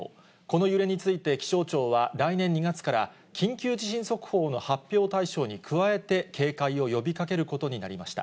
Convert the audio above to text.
この揺れについて気象庁は来年２月から、緊急地震速報の発表対象に加えて警戒を呼びかけることになりまし